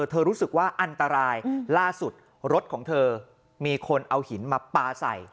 รู้สึกว่าอันตรายล่าสุดรถของเธอมีคนเอาหินมาปลาใส่